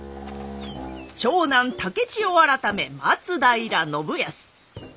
長男竹千代改め松平信康。